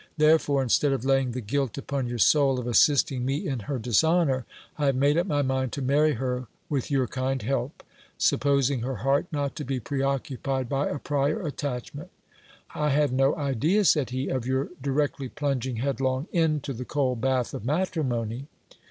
Therefore, instead of laying the guilt upon your soul of assisting me in her dishonour, I have made up my mind to marry her with your kind help, supposing her heart not to be pre occupied by a prior attachment I had no idea, said he, of your directly plunging headlong into the cold bath of matri mony.